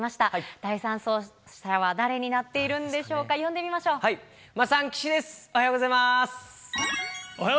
第３走者は誰になっているんでしょうか、呼んでみましょう。